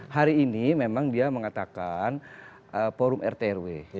hari ini memang dia mengatakan forum rtrw